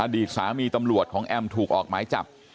อดีตสามีตำรวจของแอมถูกออกหมายจับ